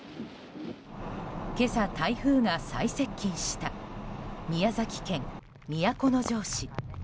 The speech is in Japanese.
今朝、台風が最接近した宮崎県都城市。